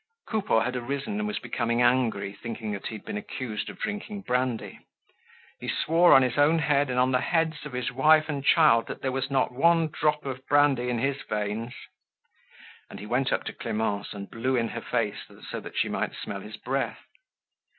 Coupeau had arisen and was becoming angry thinking that he had been accused of drinking brandy. He swore on his own head and on the heads of his wife and child that there was not a drop of brandy in his veins. And he went up to Clemence and blew in her face so that she might smell his breath.